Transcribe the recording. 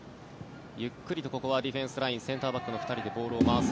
ゆっくりとここはディフェンスラインセンターバックの２人でボールを回す。